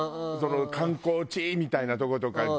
観光地みたいなとことか。